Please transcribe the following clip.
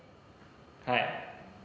はい。